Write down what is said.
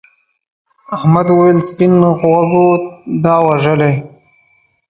احمد وویل سپین غوږو دا وژلي.